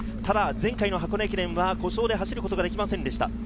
前回の箱根駅伝は故障で走ることができませんでした。